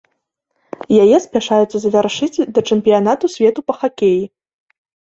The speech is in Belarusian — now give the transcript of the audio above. Яе спяшаюцца завяршыць да чэмпіянату свету па хакеі.